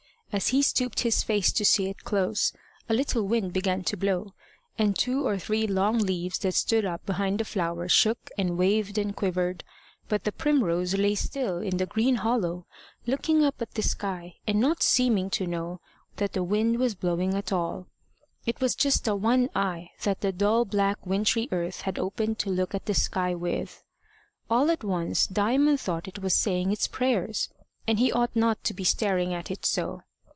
As he stooped his face to see it close, a little wind began to blow, and two or three long leaves that stood up behind the flower shook and waved and quivered, but the primrose lay still in the green hollow, looking up at the sky, and not seeming to know that the wind was blowing at all. It was just a one eye that the dull black wintry earth had opened to look at the sky with. All at once Diamond thought it was saying its prayers, and he ought not to be staring at it so.